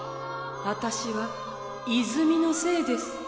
私は泉の精です。